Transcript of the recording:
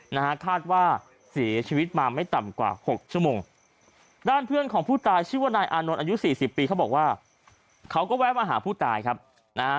นะฮะคาดว่าศีรภิกส์มาไม่ต่ำกว่า๖ชั่วโมง